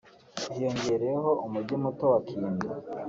hiyongereyeho Umujyi muto wa Kindu